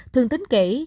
thương tín kể